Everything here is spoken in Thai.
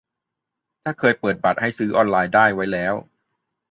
ถ้าเคยเปิดบัตรให้ซื้อออนไลน์ได้ไว้แล้ว